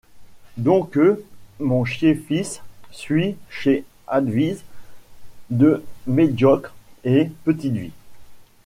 Doncques, mon chier fils, suys ces adviz de médiocre et petite vie.